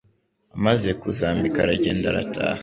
Amaze kuzambika aragenda arataha